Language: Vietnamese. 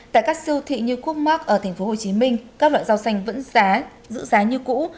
tại các siêu thị như cup mark ở tp hcm các loại rau xanh vẫn giá giữ giá như cũ